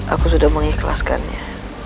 aku sudah mengikhlaskannya